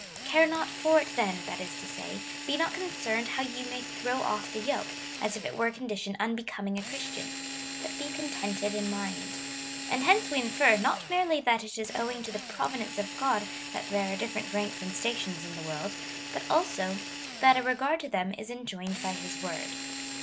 Care not for it then, that is to say, be not concerned how you may throw oif the yoke, as if it were a condition unbe coming a Christian, but be contented in mind. And hence we infer, not merely that it is owing to the providence of God that there are different ranks and stations in the world, but also, that a regard to them is enjoined by his word.